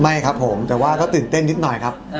ไม่ครับผมแต่ว่าก็ตื่นเต้นนิดหน่อยครับ